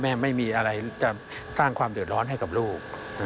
พ่อแม่ไม่มีอะไรจะตั้งความเดือดร้อนให้กับลูก